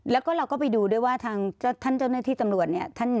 แล้วก็เราก็ไปดูด้วยว่าทางท่านเจ้าหน้าที่ตำรวจเนี่ย